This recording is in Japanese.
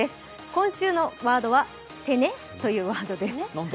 今週のワードは「てね」というワードです。